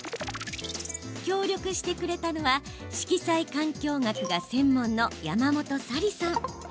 協力してくれたのは色彩環境学が専門の山本早里さん。